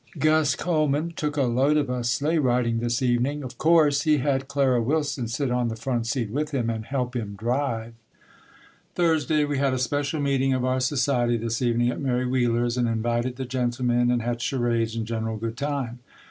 Gus Coleman took a load of us sleigh riding this evening. Of course he had Clara Willson sit on the front seat with him and help him drive. Thursday. We had a special meeting of our society this evening at Mary Wheeler's and invited the gentlemen and had charades and general good time.